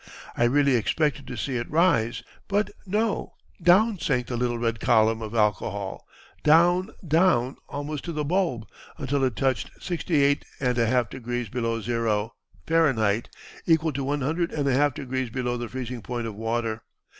I really expected to see it rise; but no, down sank the little red column of alcohol, down, down almost to the bulb, until it touched sixty eight and a half degrees below zero, Fahrenheit, equal to one hundred and a half degrees below the freezing point of water.